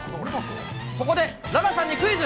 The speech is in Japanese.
ここで楽々さんにクイズ。